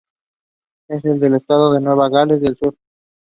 The army branch affected in particular was the cavalry.